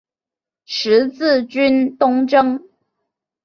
十字军东征。